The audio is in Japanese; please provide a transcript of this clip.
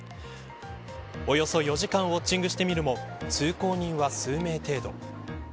およそ４時間ウオッチングしてみると、通行人は数名程度。